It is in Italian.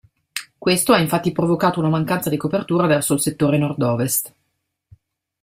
Questo ha infatti provocato una mancanza di copertura verso il settore nord-ovest.